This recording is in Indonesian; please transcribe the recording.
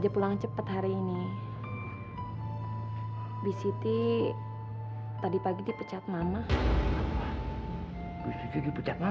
apa bisiti dipecat mama